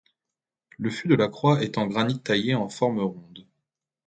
Le fût de la croix est en granit taillé en forme ronde.